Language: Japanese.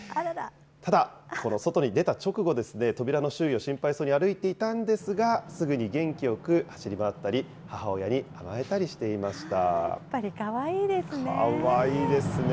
ただ、この外に出た直後、扉の周囲を心配そうに歩いていたんですが、すぐに元気よく走り回ったり、やっぱりかわいいですね。